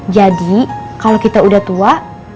jadi kalau kita udah tua